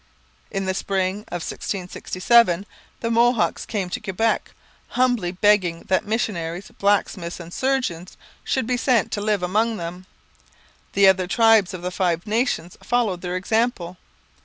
In the spring of 1667 the Mohawks came to Quebec humbly begging that missionaries, blacksmiths, and surgeons should be sent to live among them. The other tribes of the Five Nations followed their example.